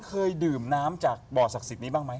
เคยดื่มน้ำจากบ่อศักดิ์สิทธิ์นี้บ้างไหม